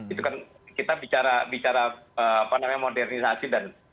itu kan kita bicara modernisasi dan